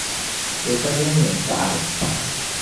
Di ka din yɛn taɣi li.